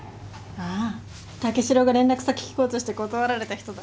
ああ武四郎が連絡先聞こうとして断られた人だ。